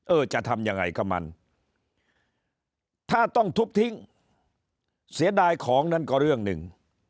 เออจะทำยังไงกับมันถ้าต้องทุบทิ้งเสียดายของนั่นก็เรื่องหนึ่ง